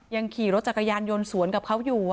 ยังขี่รถจักรยานยนต์สวนกับเขาอยู่